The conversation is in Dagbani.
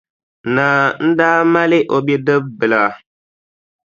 Naa n-daa mali o bidibbila.